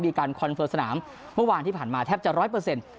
คอนเฟิร์สนามเมื่อวานที่ผ่านมาแทบจะร้อยเปอร์เซ็นต์